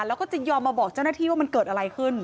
แล้วก็จะยอมมาบอกเจ้าหน้าที่ว่ามันเกิดอะไรขึ้น